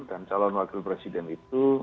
dan calon wakil presiden itu